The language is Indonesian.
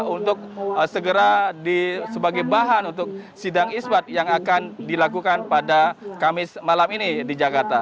untuk segera sebagai bahan untuk sidang isbat yang akan dilakukan pada kamis malam ini di jakarta